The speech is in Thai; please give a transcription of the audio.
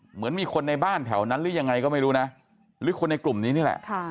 เหมือนมีคนในบ้านแถวนั้นหรือยังไงก็ไม่รู้นะหรือคนในกลุ่มนี้นี่แหละ